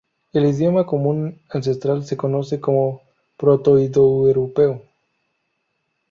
El idioma común ancestral se conoce como protoindoeuropeo.